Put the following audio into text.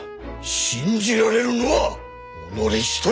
信じられるのは己一人！